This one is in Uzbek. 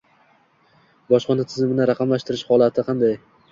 Bojxona tizimini raqamlashtirish holati qanday?